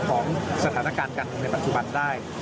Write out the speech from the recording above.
ของสถานการณ์กันในปัจจุบันได้